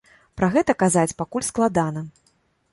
Пра гэта казаць пакуль складана.